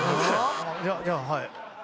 ⁉じゃあはい。